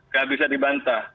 tidak bisa dibantah